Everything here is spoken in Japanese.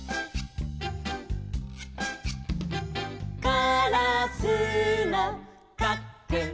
「カラスのかっくん」